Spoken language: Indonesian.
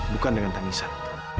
bukan dengan tamisan